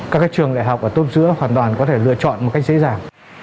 các trường đại học ở tốt giữa hoàn toàn có thể lựa chọn một cách dễ dàng